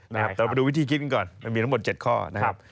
แต่เรามาดูวิธีคิดก่อนมันมีทั้งหมด๗ข้อนะครับ